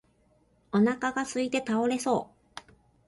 お腹がすいて倒れそう